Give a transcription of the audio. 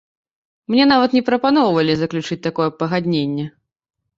Мне нават не прапаноўвалі заключыць такое пагадненне.